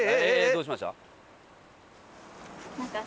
どうしました？